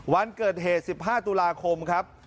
วันเกิดเหตุ๑๕ตุลาคมครับ